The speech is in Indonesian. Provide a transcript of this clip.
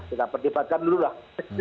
kita pertipankan dulu lah